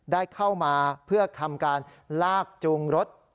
ได้เข้ามาเพื่อทำการลากจูงรถ